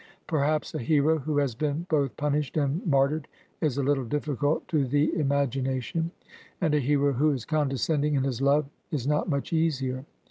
Perhaps a hero who has been both punished and martyred is a little diflficult to the im agination; and a hero who is condescending in his love is not much easier.